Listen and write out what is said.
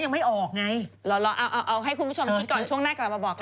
ไงรอเอาให้คุณผู้ชมคิดก่อนช่วงหน้ากลับมาบอกนะคะ